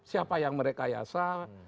siapa yang merekayasa